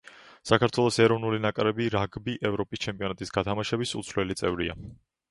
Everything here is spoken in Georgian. საქართველოს ეროვნული ნაკრები რაგბი ევროპის ჩემპიონატის გათამაშების უცვლელი წევრია.